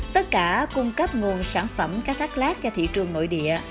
tất cả cung cấp nguồn sản phẩm cá thác lát cho thị trường nội địa